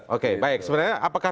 oke baik sebenarnya apakah